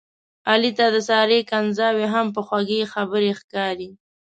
علي ته د سارې کنځاوې هم په خوږې خبرې ښکاري.